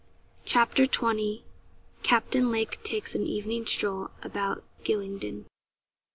CHAPTER XX. CAPTAIN LAKE TAKES AN EVENING STROLL ABOUT GYLINGDEN.